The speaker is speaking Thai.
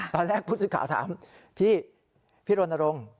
ตอนแรกพุธสุขาถามพี่พี่โรนโรง